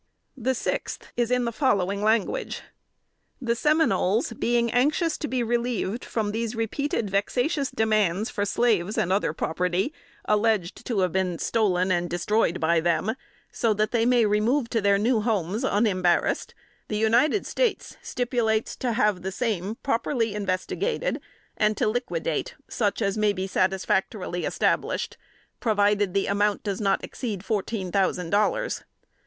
] The sixth is in the following language: "The Seminoles, being anxious to be relieved from the repeated vexatious demands for slaves and other property, alleged to have been stolen and destroyed by them, so that they may remove to their new homes unembarrassed, the United States stipulate to have the same properly investigated, and to liquidate such as may be satisfactorily established, provided the amount does not exceed fourteen thousand dollars."